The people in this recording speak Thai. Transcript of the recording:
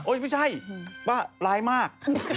คือโอ๊ยไม่ใช่ปะร้ายมาก